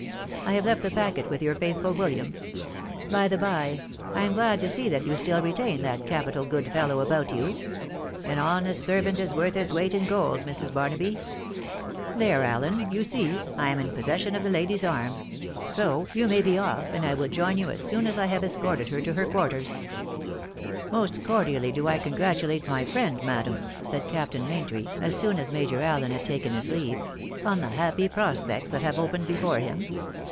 I have left the packet with your faithful William .... By the by, I am glad to see that you still retain that capital good fellow about you .... An honest servant is worth his weight in gold, Mrs. Barnaby. ... There, Allen, you see, I am in possession of the lady's arm ; so you may be off, and I wifl join you as soon as I have escorted her to her quarters/* " Most cordially do I congratulate my friend, madam/* said Captain Maintry, as soon as Major Allen had tajcen his leave! " on the happy prospects that have opened before him.